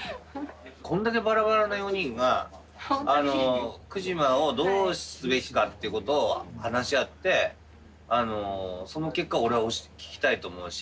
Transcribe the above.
こんだけバラバラな４人が福島をどうすべきかってことを話し合ってその結果を俺は聞きたいと思うし。